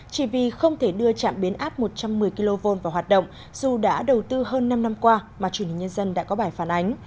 chỉ vì không thể đưa chạm biến áp một trăm một mươi kv vào hoạt động dù đã đầu tư hơn năm năm qua mà truyền hình nhân dân đã có bài phản ánh